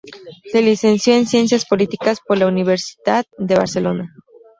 Se licenció en Ciencias Políticas por la Universitat de Barcelona.